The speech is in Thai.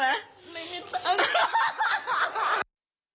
ไม่มีทั้ง